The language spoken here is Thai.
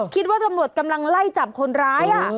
คิดว่าตำรวจกำลังไล่จับคนร้าย